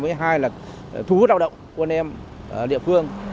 với hai là thu hút đạo động quân em địa phương